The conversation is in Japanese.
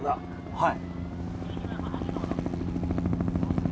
はい。